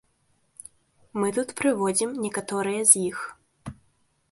Мы тут прыводзім некаторыя з іх.